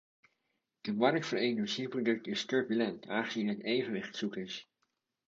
De markt voor energieproducten is turbulent, aangezien het evenwicht zoek is.